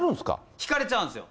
引かれちゃうんですよ。